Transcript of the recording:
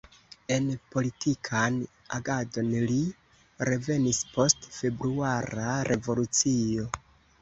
En politikan agadon li revenis post Februara Revolucio.